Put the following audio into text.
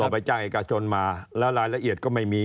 ไปจ้างเอกชนมาแล้วรายละเอียดก็ไม่มี